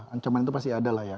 ancaman itu pasti ada lah ya